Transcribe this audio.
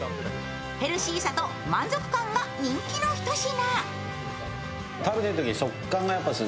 ヘルシーさと満足感が人気のひと品。